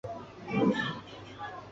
于是清廷分土尔扈特为新旧二部。